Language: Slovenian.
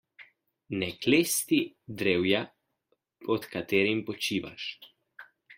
Ne klesti drevja pod katerim počivaš.